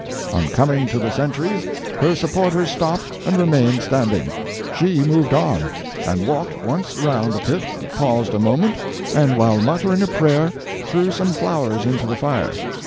On coming to the sentries her supporters stopped and remained standing; she moved on, and walked once around the pit, paused a moment, and while muttering a prayer, threw some flowers into the fire.